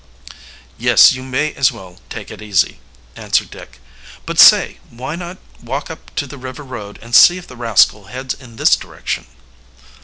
"Yes, you may as well take it easy," answered Dick. "But, say, why not, walk up to the river road and see if the rascal heads in this direction?"